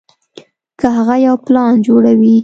کۀ هغه يو پلان جوړوي